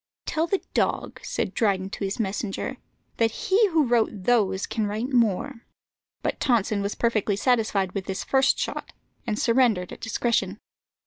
"Tell the dog," said Dryden to his messenger, "that he who wrote those can write more." But Tonson was perfectly satisfied with this first shot, and surrendered at discretion.